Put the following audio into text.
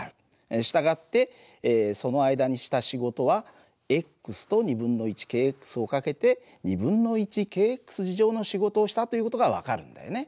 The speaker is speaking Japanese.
従ってその間にした仕事はとｋを掛けてｋの仕事をしたという事が分かるんだよね。